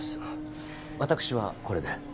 私はこれで。